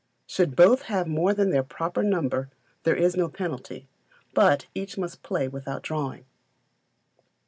Should both have more than their proper number there is no penalty, but each must play without drawing.